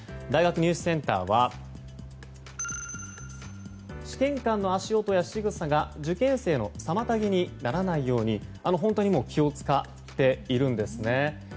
大学入試センターは試験官の足音やしぐさが受験生の妨げにならないように本当に気を使っているんですね。